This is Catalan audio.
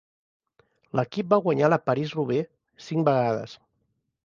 L'equip va guanyar la París-Roubaix cinc vegades.